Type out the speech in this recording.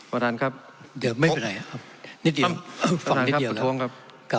ประธานครับเดี๋ยวไม่เป็นไรครับนิดเดียวฟังนิดเดียวท้วงครับ